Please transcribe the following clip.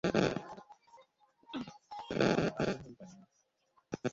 আমার আর কোনও উপায় নেই।